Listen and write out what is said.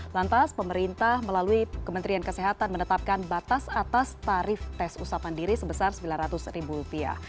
lantas pemerintah melalui kementerian kesehatan menetapkan batas atas tarif tes usap mandiri sebesar sembilan ratus ribu rupiah